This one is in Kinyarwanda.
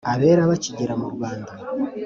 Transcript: abera bakigera mu Rwanda.